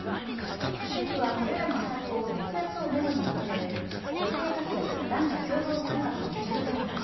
政府はこれらの施策を６月をめどにまとめる女性活躍・男女共同参画の重点方針